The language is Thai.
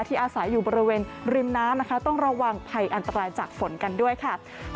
อาศัยอยู่บริเวณริมน้ำนะคะต้องระวังภัยอันตรายจากฝนกันด้วยค่ะ